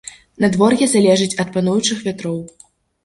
Надвор'е залежыць ад пануючых вятроў.